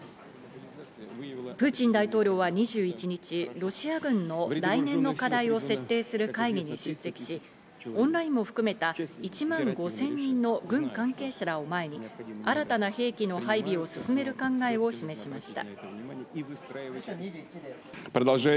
プーチン大統領は２１日、ロシア軍の来年の課題を設定する会議に出席し、オンラインを含めた１万５０００人の軍関係者らを前に、新たな兵器の配備を進める考えを示しました。